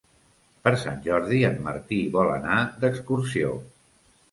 Per Sant Jordi en Martí vol anar d'excursió.